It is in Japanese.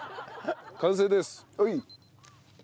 完成です。